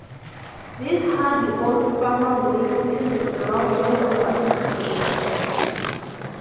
This hardy old farmer wades in the Delaware River every day.